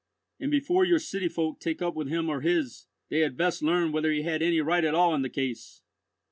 And before your city folk take up with him or his, they had best learn whether he have any right at all in the case.